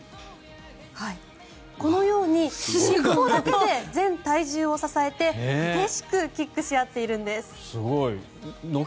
このように尻尾だけで全体重を支えて激しくキックし合っているんです。